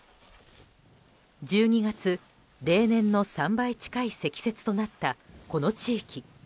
１２月、例年の３倍近い積雪となったこの地域。